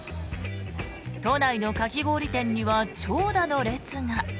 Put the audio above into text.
都内のかき氷店には長蛇の列が。